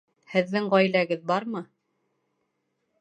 Һеҙҙең ғаиләгеҙ бармы?